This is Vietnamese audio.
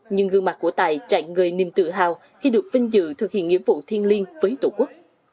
nhưng gương mặt của tài trạng người niềm tự hào khi được vinh dự thực hiện nghĩa vụ thiên liên với tổ quốc